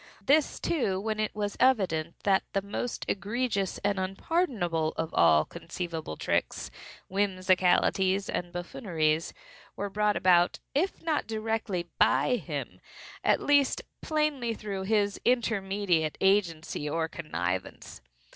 This, too, when it was evident that the most egregious and unpardonable of all conceivable tricks, whimsicalities and buffooneries were brought about, if not directly by him, at least plainly through his intermediate agency or connivance.